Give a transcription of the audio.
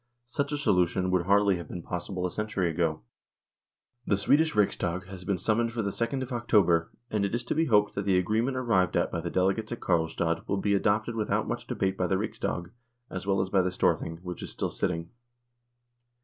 Such a solution would hardly have been possible a century ago. The Swedish Riksdag has been summoned for the 2nd of October, and it is to be hoped that the agree ment arrived at by the delegates at Karlstad will be adopted without much debate by the Riksdag, as well as by the Storthing, which is still sitting.